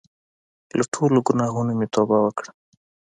له ټولو ګناهونو مې توبه وکړه.